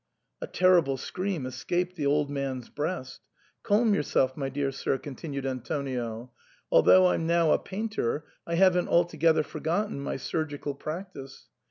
A terrible scream escaped the old man's breast. "Calm yourself, my dear sir," continued Antonio, "although I'm now a painter, I haven't altogether for gotten my surgical practice.